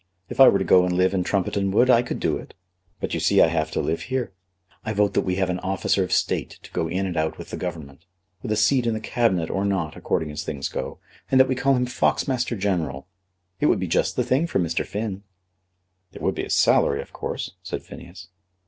If I were to go and live in Trumpeton Wood I could do it; but you see I have to live here. I vote that we have an officer of State, to go in and out with the Government, with a seat in the Cabinet or not according as things go, and that we call him Foxmaster General. It would be just the thing for Mr. Finn." "There would be a salary, of course," said Phineas.